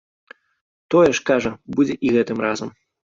Тое ж, кажа, будзе і гэтым разам.